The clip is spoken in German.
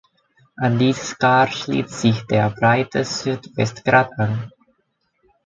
An dieses Kar schließt sich der breite Südwestgrat an.